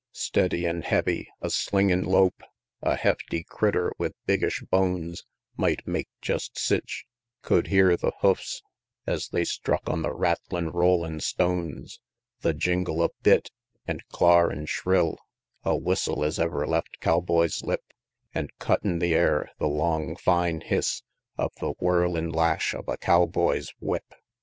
Steddy an' heavy a slingin' lope; A hefty critter with biggish bones Might make jest sich could hear the hoofs Es they struck on the rattlin', rollin' stones The jingle of bit an' clar an' shrill A whistle es ever left cowboy's lip, An' cuttin' the air, the long, fine hiss Of the whirlin' lash of a cowboy's whip.